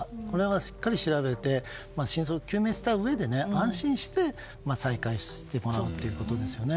しっかり調べて真相を究明したうえで、安心して再開してもらうってことですよね。